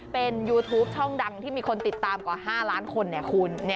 เป็นยูทูปช่องดังที่มีคนติดตามกว่า๕ล้านคนเนี่ยคุณ